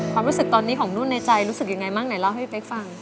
ความรู้สึกตอนนี้ของนุ่นในใจรู้สึกยังไงบ้างไหนเล่าให้พี่เป๊กฟัง